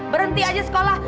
berhenti aja sekolah